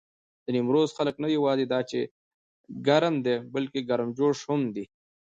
د نيمروز خلک نه یواځې دا چې ګرم دي، بلکې ګرمجوش هم دي.